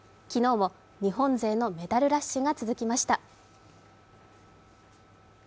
昨日も日本勢のメダルラッシュが続きました。